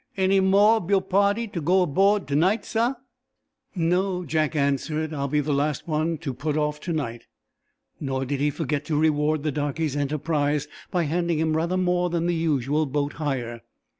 "Any mo' ob yo' pahty to go abo'd to night, sah?" "No," Jack answered. "I'll be the last one to put off to night." Nor did he forget to reward the darkey's enterprise by handing him rather more than the usual boat hire.